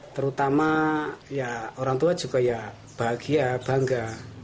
terutama ya orang tua juga ya bahagia bangga